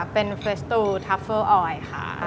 เป็นเฟสตูทัฟเฟอร์ออยค่ะ